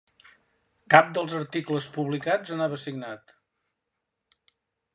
Cap dels articles publicats anava signat.